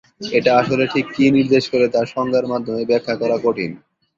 এটা আসলে ঠিক কী নির্দেশ করে তা সংজ্ঞার মাধ্যমে ব্যাখ্যা করা কঠিন।